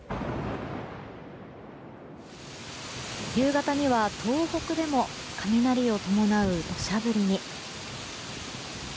夕方には東北でも雷を伴う土砂降りに。